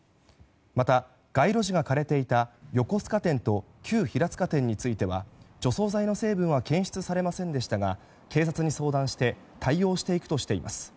また、街路樹が枯れていた横須賀店と旧平塚店については除草剤の成分は検出されませんでしたが警察に相談して対応していくとしています。